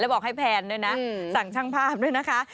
และบอกให้แฟนสั่งช่างภาพด้วยนะคะ